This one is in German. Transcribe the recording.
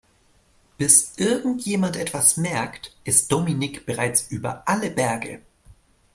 Bis irgendjemand etwas merkt, ist Dominik bereits über alle Berge.